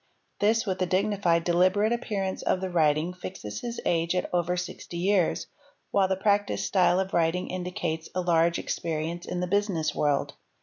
This, with the dignified, deliberate appearance of the writing fixes his age at over sixty years, while the practised style of writing indicates a large experience in the business world.